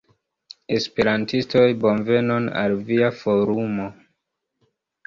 Esperantistoj, bonvenon al via Forumo!